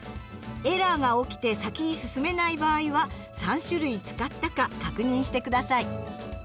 エラーが起きて先に進めない場合は３種類使ったか確認して下さい。